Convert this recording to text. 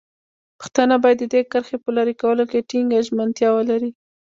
پښتانه باید د دې کرښې په لرې کولو کې ټینګه ژمنتیا ولري.